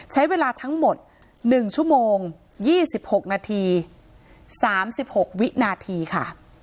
ใช้เวลาทั้งหมด๑ชั่วโมง๒๖นาที๓๖วินาทีค่ะ